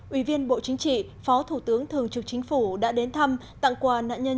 ủy viên bộ chính trị phó thủ tướng thường trực chính phủ đã đến thăm tặng quà nạn nhân